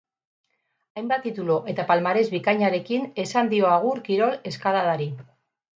Hainbat titulu eta palmares bikaianarekin esan dio agur kirol eskaladari.